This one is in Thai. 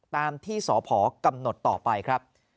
ตามที่สพกำหนดต่อไปครับ